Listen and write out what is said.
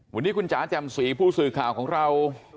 วันนี้คุณจะจำ๔ผู้สื่อข่าวของเรา